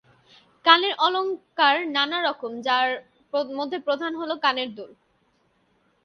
কানের অলংকার নানা রকম যার মধ্যে প্রধান হলো কানের দুল।